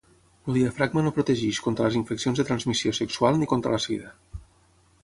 El diafragma no protegeix contra les infeccions de transmissió sexual ni contra la sida.